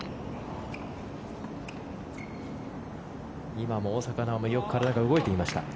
今も大坂なおみもよく体が動いていました。